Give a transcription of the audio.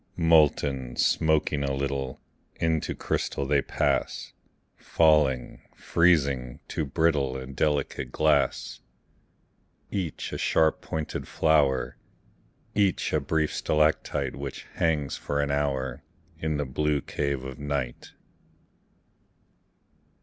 Molten, smoking a little, Into crystal they pass; Falling, freezing, to brittle And delicate glass. Each a sharp pointed flower, Each a brief stalactite Which hangs for an hour In the blue cave of night.